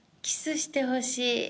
「キスしてほしい」！？